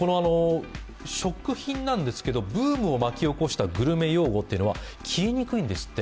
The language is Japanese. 食品なんですけど、ブームを巻き起こした用語っていうのは消えにくいんですって。